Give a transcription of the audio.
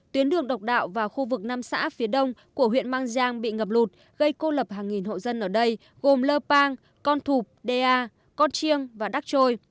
tuyến đường độc đạo vào khu vực năm xã phía đông của huyện mang giang bị ngập lụt gây cô lập hàng nghìn hộ dân ở đây gồm lơ pang con thụp da con chiêng và đắc trôi